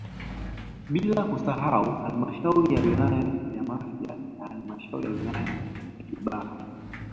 Bila kusahau halmashauri ya wilaya ya Mafia na halmashauri ya wilaya ya Kibaha